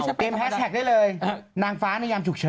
เตรียมแฮชแท็กได้เลยนางฟ้านายามฉุกเฉิน